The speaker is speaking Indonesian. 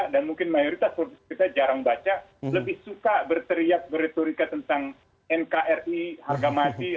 dan mungkin mayoritas politik kita jarang baca lebih suka berteriak berretorika tentang nkri harga masih